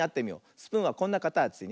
スプーンはこんなかたちね。